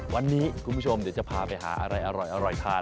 วันนี้คุณผู้ชมเดี๋ยวจะพาไปหาอะไรอร่อยทาน